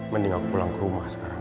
mending aku pulang ke rumah sekarang